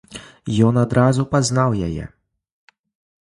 Ён адразу пазнаў яе.